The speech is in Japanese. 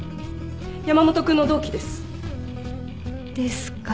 山本君の同期です。ですか。